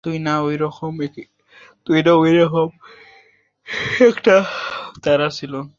তুইও না ওরকম- ই একটা তারা ছিলি।